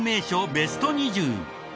ベスト２０。